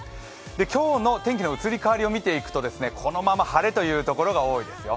今日の天気の移り変わりを見ていくと、このまま晴れというところが多いですよ。